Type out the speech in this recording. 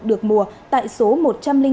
được mùa tại số một trăm linh ba